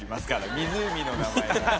湖の名前が。